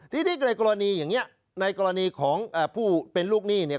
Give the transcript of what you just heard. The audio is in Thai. ๒๔๐ทีกรณีอย่างนี้ในกรณีของผู้เป็นลูกหนี้